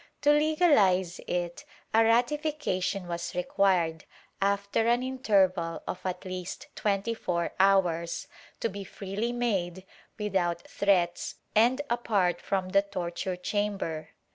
To legalize it, a ratification was required, after an interval of at least twenty four hours, to be freely made, without threats and apart from the torture chamber.